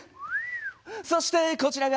そしてこちらが。